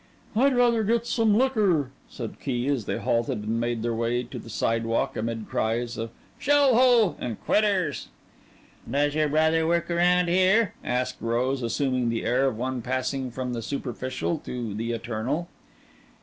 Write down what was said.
"I'd rather get some liquor," said Key as they halted and made their way to the sidewalk amid cries of "Shell hole!" and "Quitters!" "Does your brother work around here?" asked Rose, assuming the air of one passing from the superficial to the eternal.